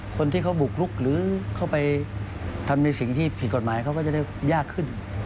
คนที่เขาบุกลุกหรือเข้าไปทำในสิ่งที่ผิดกฎหมายเขาก็จะได้ยากขึ้น